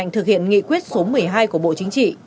thực hiện nghị quyết số một mươi hai của bộ chính trị